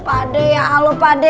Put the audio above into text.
pak de ya allah pak de